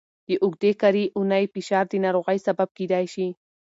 د اوږدې کاري اونۍ فشار د ناروغۍ سبب کېدای شي.